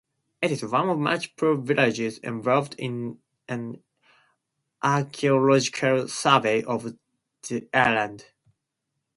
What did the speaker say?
It is one of multiple villages involved in an archaeological survey of the island.